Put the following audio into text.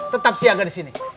tetap siaga di sini